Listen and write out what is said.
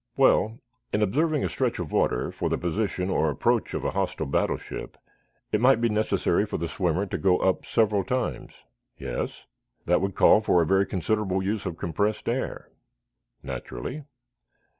"Well, in observing a stretch of water, for the position or approach of a hostile battleship, it might be necessary for the swimmer to go up several times." "Yes ?" "That would call for a very considerable use of compressed air." "Naturally."